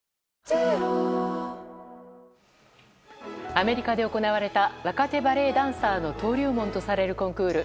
アメリカで行われた若手バレエダンサーの登竜門とされるコンクール。